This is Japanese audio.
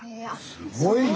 すごいね。